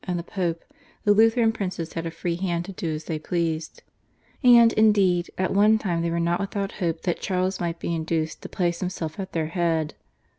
and the Pope the Lutheran princes had a free hand to do as they pleased, and, indeed, at one time they were not without hope that Charles might be induced to place himself at their head.